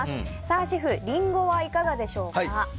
シェフリンゴはいかがでしょうか。